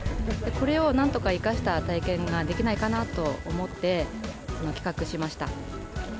これをなんとか生かした体験ができないかなと思って、企画しました。